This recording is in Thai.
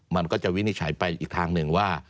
มันก็จะวินิจฉัยไปอีกทางหนึ่งว่า